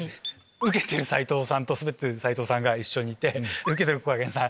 ウケてる斉藤さんとスベってる斉藤さんが一緒にいてウケてるこがけんさん